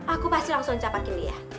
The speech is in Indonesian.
aku pasti langsung capakin dia